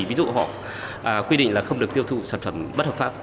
ví dụ họ quy định là không được tiêu thụ sản phẩm bất hợp pháp